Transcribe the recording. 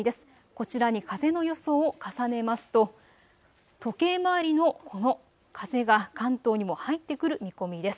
こちらに風の予想を重ねますと時計回りのこの風が関東にも入ってくる見込みです。